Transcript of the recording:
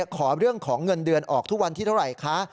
ขอเรื่องของเงินเดือนออกทุกวันที่เท่าไหร่คะ